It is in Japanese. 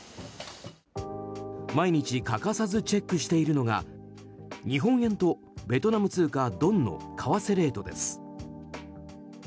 毎日欠かさずチェックしているのが日本円とベトナム通貨ドンの為替レートです。